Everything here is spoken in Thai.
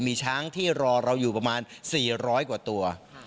มีช้างที่รอเราอยู่ประมาณ๔๐๐กว่าตัว